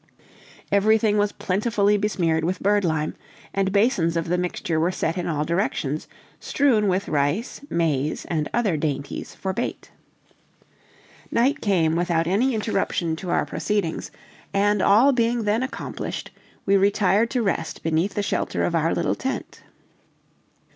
Everything was plentifully besmeared with birdlime, and basins of the mixture were set in all directions, strewn with rice, maize, and other dainties for bait. Night came without any interruption to our proceedings; and all being then accomplished, we retired to rest beneath the shelter of our little tent.